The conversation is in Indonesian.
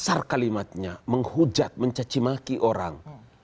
besar kalimatnya menghujat mencacimaki orang